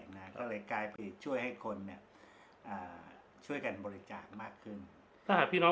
นะก็เลยกลายไปช่วยให้คนเนี่ยอ่าช่วยกันบริจาคมากขึ้นถ้าหากพี่น้อง